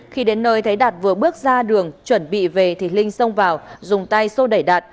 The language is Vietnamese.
khi đến nơi thấy đạt vừa bước ra đường chuẩn bị về thì linh xông vào dùng tay sô đẩy đạn